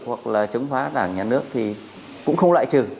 hoặc là chống phá đảng nhà nước thì cũng không loại trừ